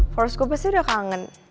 forrest gue pasti udah kangen